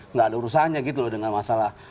nggak ada urusannya gitu loh dengan masalah